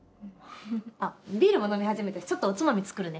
あっビールも飲み始めたしちょっとおつまみ作るね。